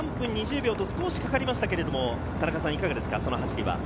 １ｋｍが３分２０秒と少しかかりましたが、田中さん、いかがですか？